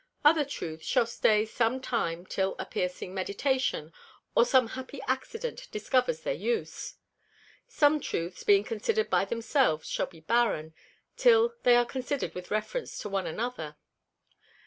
Other Truths shall stay some time till a piercing Meditation, or some happy Accident discovers their Use. Some Truths being consider'd by themselves shall be barren, till they are consider'd with reference to one another.